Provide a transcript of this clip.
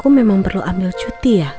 emang emang perlu ambil cuti ya